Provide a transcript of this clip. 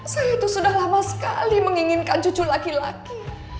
saya itu sudah lama sekali menginginkan cucu laki laki